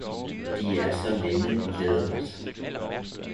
De er så linde i læderet